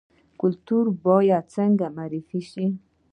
کلتور باید څنګه معرفي شي؟